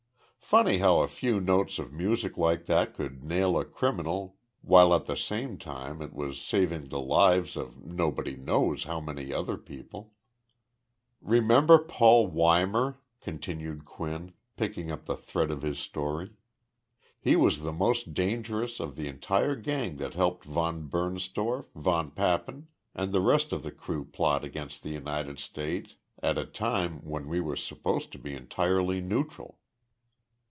"Funny how a few notes of music like that could nail a criminal while at the same time it was saving the lives of nobody knows how many other people "Remember Paul Weimar [continued Quinn, picking up the thread of his story]. He was the most dangerous of the entire gang that helped von Bernstorff, von Papen, and the rest of that crew plot against the United States at a time when we were supposed to be entirely neutral.